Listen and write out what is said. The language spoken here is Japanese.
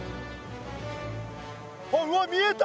あっうわ見えた！